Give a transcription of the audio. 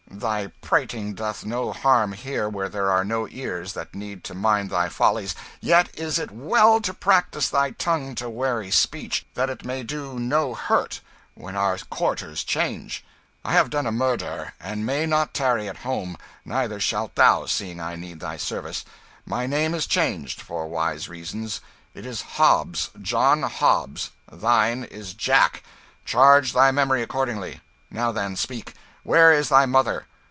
Thy prating doth no harm here, where there are no ears that need to mind thy follies; yet it is well to practise thy tongue to wary speech, that it may do no hurt when our quarters change. I have done a murder, and may not tarry at home neither shalt thou, seeing I need thy service. My name is changed, for wise reasons; it is Hobbs John Hobbs; thine is Jack charge thy memory accordingly. Now, then, speak. Where is thy mother?